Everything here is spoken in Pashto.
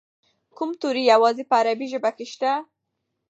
کوم توري یوازې په عربي ژبه کې شته؟